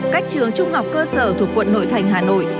các trường trung học cơ sở thuộc quận nội thành hà nội